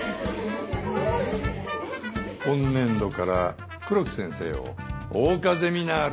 今年度から黒木先生を桜花ゼミナール